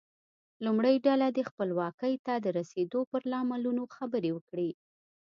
لومړۍ ډله دې خپلواکۍ ته د رسیدو پر لاملونو خبرې وکړي.